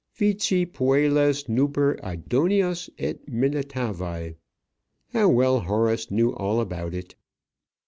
Vici puellis nuper idoneus, et militavi. How well Horace knew all about it!